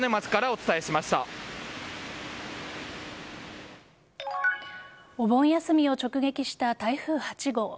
お盆休みを直撃した台風８号。